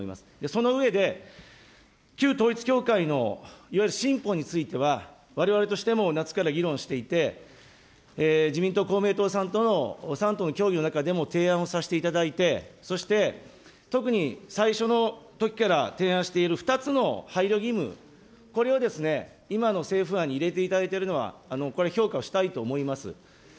その上で、旧統一教会のいわゆる新法については、われわれとしても夏から議論していて、自民党、公明党さんとの３党の協議の中でも提案をさせていただいて、そして特に最初のときから提案している、２つの配慮義務、これを今の政府案に入れていただいているのは、これ、評価をしたいと思います。